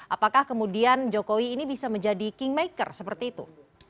apakah kemudian jokowi ini bisa menjadi kingmaker seperti itu